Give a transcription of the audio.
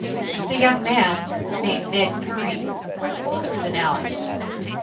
The young man, named Ned Currie, was older than Alice.